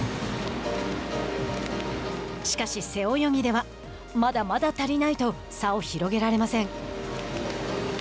しかし、背泳ぎでは「まだまだ足りない」と差を広げられません。